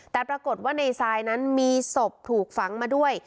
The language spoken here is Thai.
แต่ปรากฏว่าในทรายนั้นมีศพถูกฝังมาด้วย